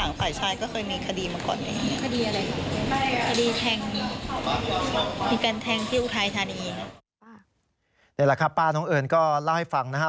นี่แหละครับป้าน้องเอิญก็เล่าให้ฟังนะฮะ